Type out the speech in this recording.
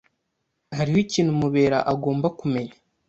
Hariho ikintu Mubera agomba kumenya.